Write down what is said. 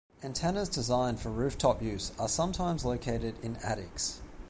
Antennas designed for rooftop use are sometimes located in attics.